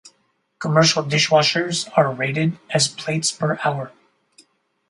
Commercial dishwashers are rated as plates per hour.